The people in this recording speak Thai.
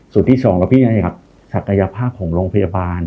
ส่วนที่สองเราพิจารณาจากศักยภาพของโรงพยาบาล